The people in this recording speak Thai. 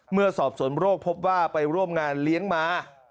เมื่อสอบสวนโรคพบว่าไปร่วมงานเลี้ยงมา